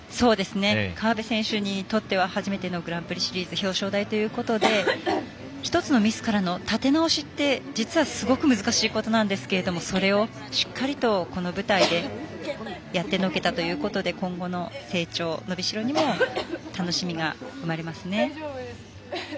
河辺選手にとっては初めてのグランプリシリーズ表彰台ということで１つのミスからの立て直しって実はすごく難しいことなんですけれどもそれをしっかりと、この舞台でやってのけたということで今後の成長、伸びしろにも楽しみが生まれますね。